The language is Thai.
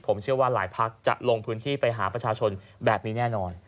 ผมเชื่อว่าหลายพักจะลงพื้นที่ไปหาประชาชนแบบนี้แน่นอน